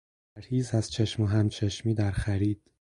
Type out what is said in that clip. پرهیز از چشم و هم چشمی در خرید